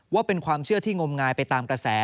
ว่าเป็นความเชื่อที่งมงายไปตามกระแส